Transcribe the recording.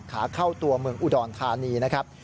ขาเข้าตัวเมืองอุดรธานีนะครับ